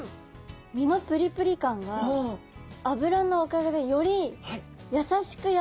身のプリプリ感が脂のおかげでより優しくやわらかくなってるので。